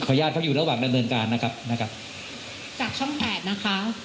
ญาติเขาอยู่ระหว่างดำเนินการนะครับนะครับจากช่องแปดนะคะ